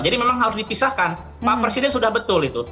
jadi memang harus dipisahkan pak presiden sudah betul itu